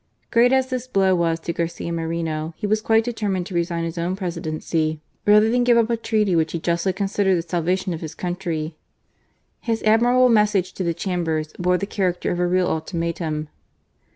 Great as this blow was to Garcia Moreno^ he was quite determined to resign his own Presidency rather than give up s. treaty which he justly con sidered the salvation of his country. His admirable message to the Chambers bore the character of a real ultimatum.